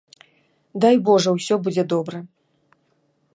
Дай божа, усё будзе добра.